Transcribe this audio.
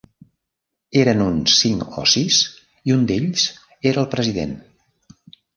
Eren uns cinc o sis i un d'ells era el president.